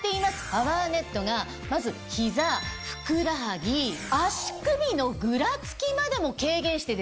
パワーネットがまずひざふくらはぎ足首のぐらつきまでも軽減して。